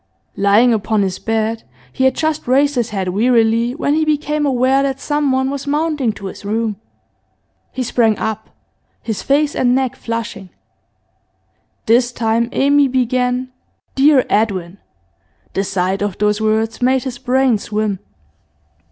Lying upon the bed, he had just raised his head wearily when he became aware that someone was mounting to his room. He sprang up, his face and neck flushing. This time Amy began 'Dear Edwin'; the sight of those words made his brain swim.